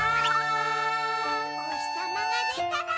「おひさまがでたら」